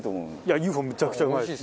いやＵ．Ｆ．Ｏ．めちゃくちゃうまい。